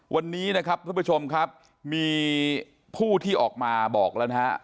วันนี้นะครับทุกผู้ชมครับมีผู้ที่ออกมาบอกแล้วนะฮะ